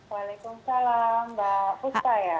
waalaikumsalam mbak puspa ya